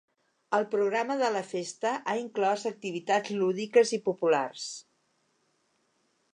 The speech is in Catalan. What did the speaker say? El programa de la festa ha inclòs activitats lúdiques i populars.